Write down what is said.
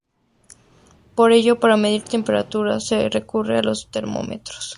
Por ello para medir temperaturas se recurre a los termómetros.